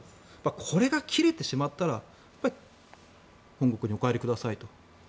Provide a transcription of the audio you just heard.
これが切れてしまったら本国にお帰りくださいと。